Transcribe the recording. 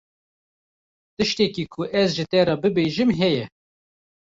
Tiştekî ku ez ji te re bibêjim heye.